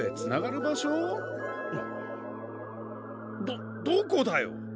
どどこだよ？